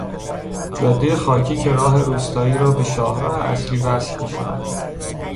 جادهی خاکی که راه روستایی را به شاهراه اصلی وصل میکند